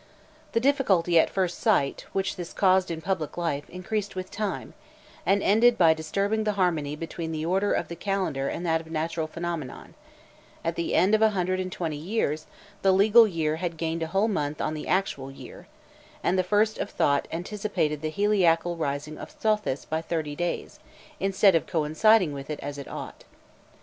The difficulty, at first only slight, which this caused in public life, increased with time, and ended by disturbing the harmony between the order of the calendar and that of natural phenomena: at the end of a hundred and twenty years, the legal year had gained a whole month on the actual year, and the 1st of Thot anticipated the heliacal rising of Sothis by thirty days, instead of coinciding with it as it ought.